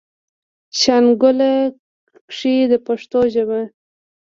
شانګله کښې د پښتو ژبې